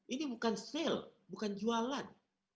ini bukan sale bukan jualan